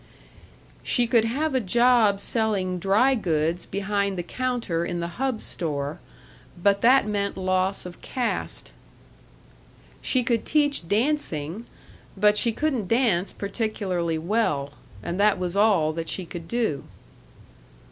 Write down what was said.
She could have a job selling dry goods behind the counter in the Hub Store, but that meant loss of caste. She could teach dancing but she couldn't dance particularly well. And that was all that she could do.